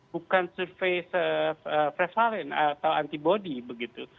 bukan survei prevalen atau antibody begitu